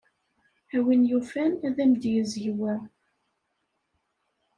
A win yufan, ad am-d-yezg wa.